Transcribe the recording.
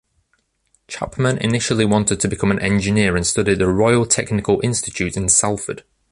Chapman initially wanted to become an engineer and studied at the Royal Technical Institute in Salford.